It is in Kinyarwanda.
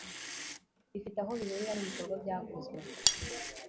bifite aho bihurira n ibikorwa byakozwe